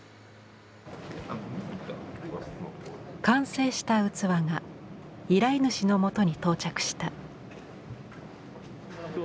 完成した器が依頼主のもとに到着した。